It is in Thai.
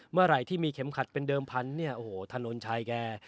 เมื่อไหร่ที่มีเข็มขัดเป็นเดิมพันธุ์เนี่ยโอ้โหถนนชัยแก